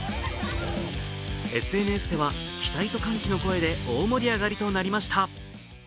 ＳＮＳでは期待と歓喜の声で大盛り上がりとなりました。